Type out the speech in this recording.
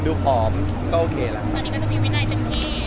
อ๋อน้องมีหลายคน